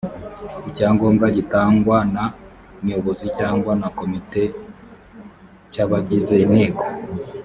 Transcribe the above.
icyangombwa gitangwa na nyobozi cyangwa na komite cy abagize inteko